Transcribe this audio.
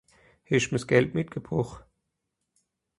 Hesch'm'r s'Gald mitgebrocht?